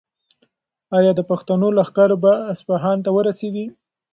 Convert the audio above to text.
ایا د پښتنو لښکر به اصفهان ته ورسیږي؟